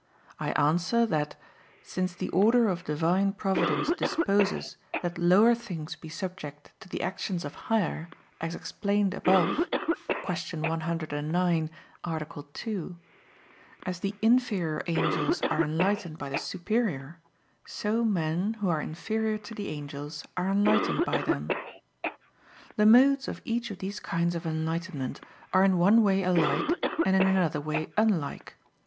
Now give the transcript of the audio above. I answer that, Since the order of Divine Providence disposes that lower things be subject to the actions of higher, as explained above (Q. 109, A. 2); as the inferior angels are enlightened by the superior, so men, who are inferior to the angels, are enlightened by them. The modes of each of these kinds of enlightenment are in one way alike and in another way unlike.